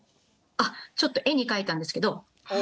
あっちょっと絵に描いたんですけど。